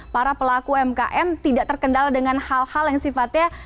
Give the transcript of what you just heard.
para pelaku umkm tidak terkendala dengan hal hal yang sifatnya